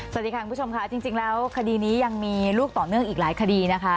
สวัสดีค่ะคุณผู้ชมค่ะจริงแล้วคดีนี้ยังมีลูกต่อเนื่องอีกหลายคดีนะคะ